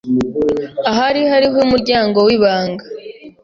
Ahari hariho umuryango wibanga.